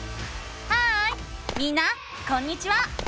ハーイみんなこんにちは！